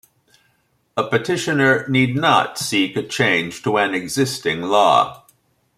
A petitioner need not seek a change to an existing law.